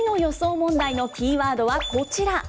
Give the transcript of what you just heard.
問題のキーワードはこちら。